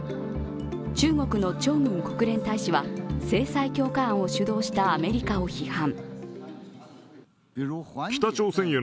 中国の張軍国連大使は制裁強化案を主導したアメリカを批判。